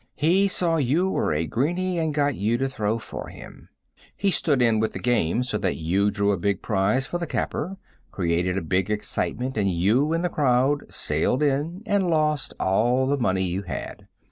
He saw you were a greeney and got you to throw for him. He stood in with the game so that you drew a big prize for the capper, created a big excitement, and you and the crowd sailed in and lost all the money you had.